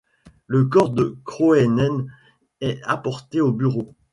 Le corps de Kroenen est apporté au bureau.